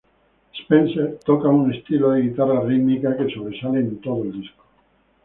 Spence toca un estilo de guitarra rítmica que sobresale en todo el disco.